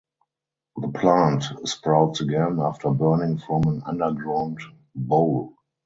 The plant sprouts again after burning from an underground bole.